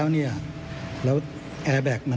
มีความรู้สึกว่ามีความรู้สึกว่า